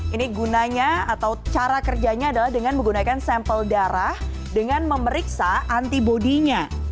ini gunanya atau cara kerjanya adalah dengan menggunakan sampel darah dengan memeriksa antibody nya